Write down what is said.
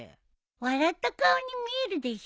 笑った顔に見えるでしょ？